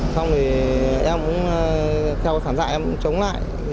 xong thì em cũng theo sản dạng em cũng chống lại